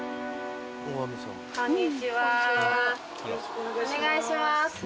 お願いします。